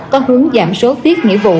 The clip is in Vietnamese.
có hướng giảm số tiết nghĩa vụ